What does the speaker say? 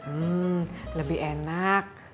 hmm lebih enak